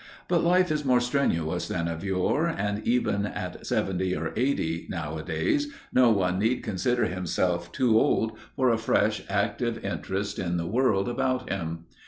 But life is more strenuous than of yore, and even at seventy or eighty, nowadays, no one need consider himself too old for a fresh, active interest in the world about him.